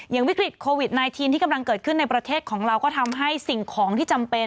วิกฤตโควิด๑๙ที่กำลังเกิดขึ้นในประเทศของเราก็ทำให้สิ่งของที่จำเป็น